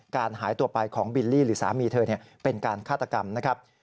หายตัวไปของบิลลี่หรือสามีเธอเป็นการฆาตกรรมนะครับ